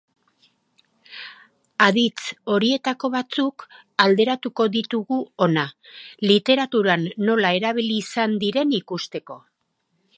Aditz horietako batzuk alderatuko ditugu hona, literaturan nola erabili izan diren ikusteko.